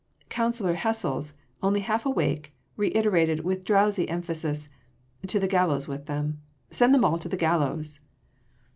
Councillor Hessels, only half awake, reiterated with drowsy emphasis: "To the gallows with them! Send them all to the gallows!"